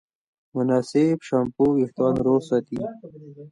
مناسب شامپو وېښتيان روغ ساتي.